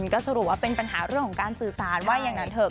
ก็สรุปว่าเป็นปัญหาเรื่องของการสื่อสารว่าอย่างนั้นเถอะ